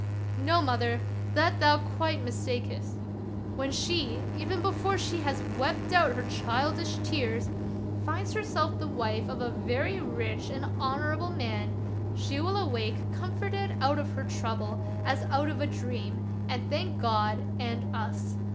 " No, mother, that thou quite mistakest. When she, even before she has wept out her childish tears, finds herself the wife of a very rich and honorable man, she will awake comforted out of her trouble as out of a dream, and thank God and us.